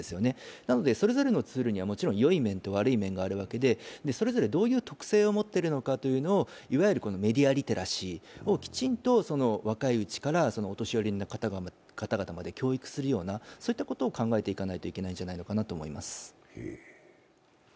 なので、それぞれのツールにはもちろんよい面と悪い面があるわけでそれぞれどういう特性を持っているのかを、メディアリテラシーをきちんと若いうちからお年寄りの方々まで教育するようなことを考えていかなきゃいけないと思っています。